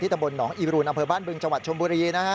ที่ตะบนหนองอีรุนอำเภอบ้านบึงจังหวัดชมบุรี